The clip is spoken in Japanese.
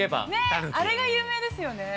◆あれが有名ですよね。